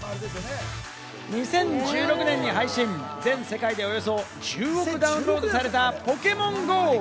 ２０１６年に配信、全世界でおよそ１０億ダウンロードされた『ポケモンＧＯ』。